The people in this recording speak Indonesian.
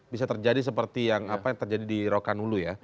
bisa terjadi seperti yang terjadi di rokan hulu ya